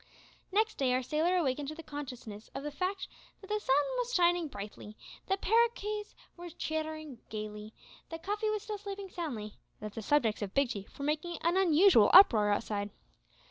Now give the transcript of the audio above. Next day our sailor awakened to the consciousness of the fact that the sun was shining brightly, that paroquets were chattering gaily, that Cuffy was still sleeping soundly, and that the subjects of Big Chief were making an unusual uproar outside.